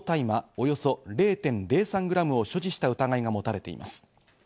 およそ０．０３グラムを所持した疑いが持たれています。